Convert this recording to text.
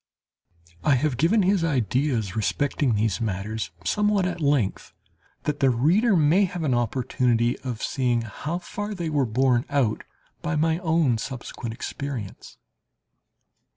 I have given his ideas respecting these matters somewhat at length, that the reader may have an opportunity of seeing how far they were borne out by my own subsequent experience.